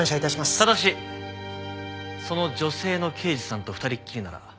ただしその女性の刑事さんと２人きりなら。